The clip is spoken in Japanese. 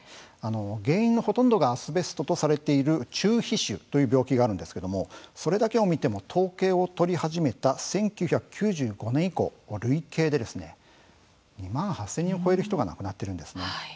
原因のほとんどがアスベストとされている中皮腫という病気があるんですけれどもそれだけを見ても統計を取り始めた１９９５年以降累計で２万８０００人を超える人が亡くなっているんですね。